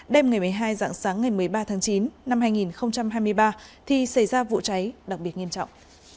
đêm ngày một mươi hai dạng sáng ngày một mươi ba tháng chín năm hai nghìn hai mươi ba thì xảy ra vụ cháy đặc biệt nghiêm trọng